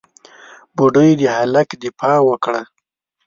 بوډۍ د هلک دفاع وکړه.